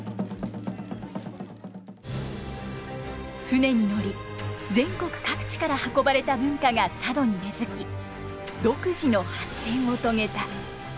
船に乗り全国各地から運ばれた文化が佐渡に根づき独自の発展を遂げた。